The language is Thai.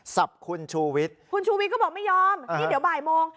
คุณชูวิทย์คุณชูวิทย์ก็บอกไม่ยอมนี่เดี๋ยวบ่ายโมง